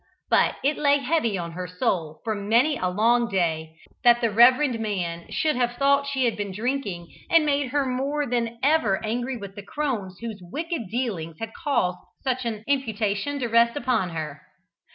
But it lay heavy on her soul, for many a long day, that the reverend man should have thought she had been drinking, and made her more than ever angry with the crones whose wicked dealings had caused such an imputation to rest upon her.